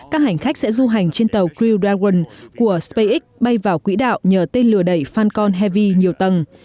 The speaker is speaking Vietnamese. các hành khách sẽ du hành trên tàu crew dragon của spacex bay vào quỹ đạo nhờ tên lửa đẩy falcon heavy nhiều tầng